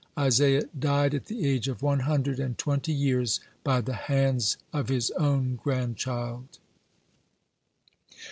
Isaiah died at the age of one hundred and twenty years, (104) by the hands of his own grandchild.